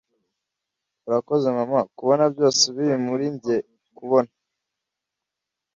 urakoze, mama, kubona byose biri muri njye kubona